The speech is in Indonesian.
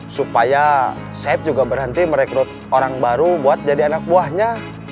supaya saib juga berhenti merekrut orang baru buat jadi anak buahnya